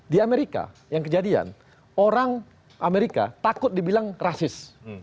di amerika yang kejadian orang amerika takut dibilang rasis